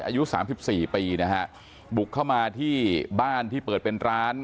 อายุสามสิบสี่ปีนะฮะบุกเข้ามาที่บ้านที่เปิดเป็นร้าน